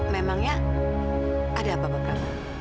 memangnya ada apa apa